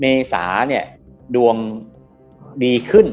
เมษาเนี่ยดวงดีขึ้น